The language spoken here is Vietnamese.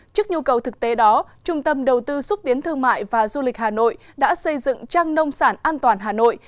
trước nhu cầu thực tế đó trung tâm đầu tư xúc tiến thương mại và du lịch hà nội đã xây dựng trang nông sản an toàn hà nội